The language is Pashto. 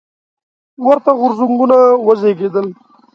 ورته غورځنګونه وزېږېدل.